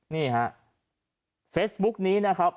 นี่ฮะเฟซบุ๊กนี้นะครับ